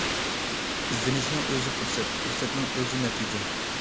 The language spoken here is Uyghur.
ئىزدىنىشنىڭ ئۆزى پۇرسەت، پۇرسەتنىڭ ئۆزى نەتىجە.